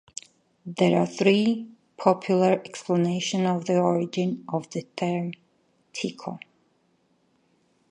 There are three popular explanations of the origin of the term "tico".